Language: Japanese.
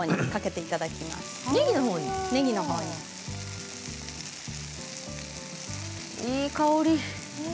いい香り。